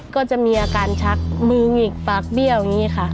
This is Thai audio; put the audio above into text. ก็จะมีอาการชักมือหงิกปากเบี้ยวอย่างนี้ค่ะ